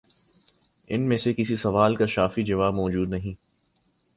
ان میں سے کسی سوال کا شافی جواب مو جود نہیں ہے۔